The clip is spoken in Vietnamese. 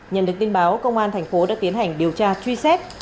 nhân lực tin báo công an tp đã tiến hành điều tra truy xét